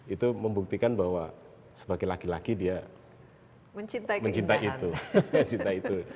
itu membuktikan bahwa sebagai laki laki dia mencintai itu